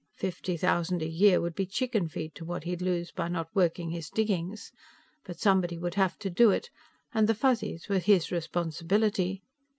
Fifty thousand a year would be chicken feed to what he'd lose by not working his diggings. But somebody would have to do it, and the Fuzzies were his responsibility.